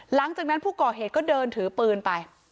หลังจากนั้นผู้ก่อเหตุก็เดินถือปืนไป